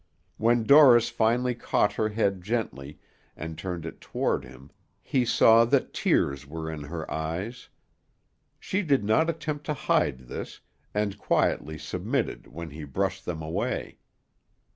When Dorris finally caught her head gently, and turned it toward him, he saw that tears were in her eyes. She did not attempt to hide this, and quietly submitted when he brushed them away.